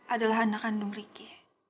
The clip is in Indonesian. adalah anak kandung riki